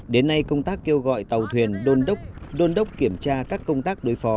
đến nay công tác kêu gọi tàu thuyền đôn đốc kiểm tra các công tác đối phó